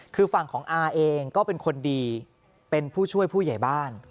คือฝั่งของอาเองก็เป็นคนดีเป็นผู้ช่วยผู้ใหญ่บ้าน